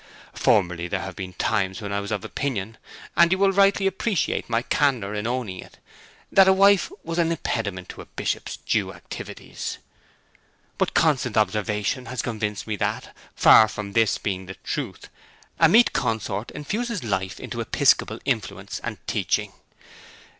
Formerly there have been times when I was of opinion and you will rightly appreciate my candour in owning it that a wife was an impediment to a bishop's due activities; but constant observation has convinced me that, far from this being the truth, a meet consort infuses life into episcopal influence and teaching.